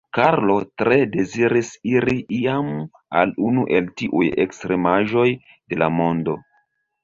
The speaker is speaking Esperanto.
Karlo tre deziris iri iam al unu el tiuj ekstremaĵoj de la mondo.